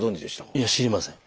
いや知りません。